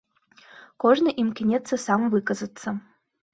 Кожны імкнецца сам выказацца.